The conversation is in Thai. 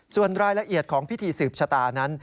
ส่วนรายละเอียดของพิธีสืบชะตานั้น